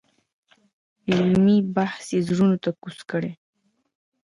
علمي بحث یې زړونو ته کوز کړی.